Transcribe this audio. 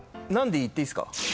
「難」でいっていいっすか？